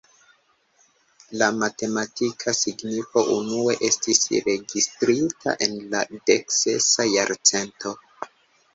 La matematika signifo unue estis registrita en la dek-sesa jarcento.